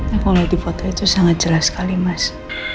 aku liat di foto itu sangat jelas sekali mas